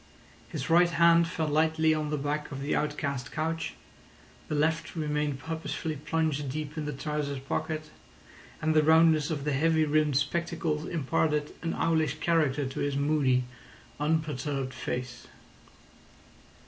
His right hand fell lightly on the back of the outcast couch, the left remained purposefully plunged deep in the trousers pocket, and the roundness of the heavy rimmed spectacles imparted an owlish character to his moody, unperturbed face.